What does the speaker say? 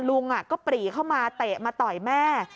ลุงก็ปรีเข้ามาเตะมาต่อยแม่